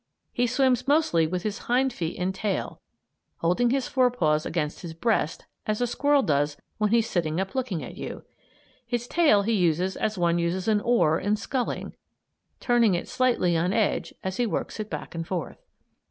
He swims mostly with his hind feet and tail, holding his fore paws against his breast as a squirrel does when he's sitting up looking at you. His tail he uses as one uses an oar in sculling, turning it slightly on edge as he works it back and forth.